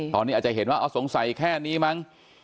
ตอนนี้อาจจะเห็นว่าสงสัยแค่นี้มั้ง